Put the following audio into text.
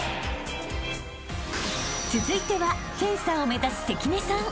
［続いてはフェンサーを目指す関根さん］